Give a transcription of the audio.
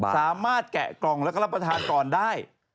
สามารถแกะกล่องและการรับประทานก่อนได้